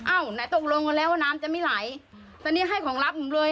ไหนตกลงกันแล้วว่าน้ำจะไม่ไหลตอนนี้ให้ของรับหนูเลย